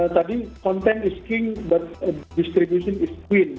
tadi konten is king but distribution is queen